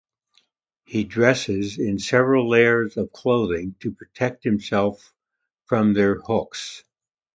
He dresses in several layers of clothing to protect himself from their hooks.